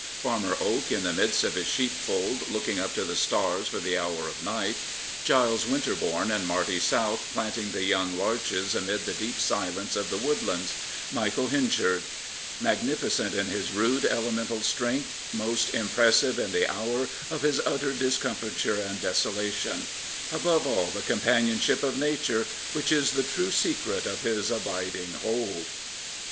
Farmer Oak in the midst of his sheepfold looking up to the stars for the hour of night, Giles Winterbourne and Marty South planting the young larches amid the deep silence of the woodlands, Michael Henchard, magnificent in his rude, elemental strength, most impressive in the hour of his utter discomfiture and desolation — above all, the companionship of Nature, which is the true secret of his abiding hold.